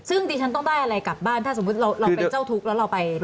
ซึ่งดิฉันต้องได้อะไรกลับบ้านถ้าสมมุติเราเป็นเจ้าทุกข์แล้วเราไป